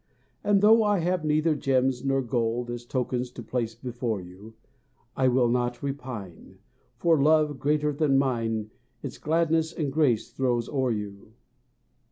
And though I have neither gems nor gold As tokens to place before you, I will not repine, for Love greater than mine Its gladness and grace throws o'er you.